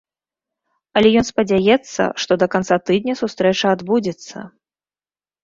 Але ён спадзяецца, што да канца тыдня сустрэча адбудзецца.